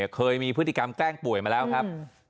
เคยมีพฤติกรรมแกล้งกันแล้วมีการโอนเงินจากหมู่ไปให้ไหมครับ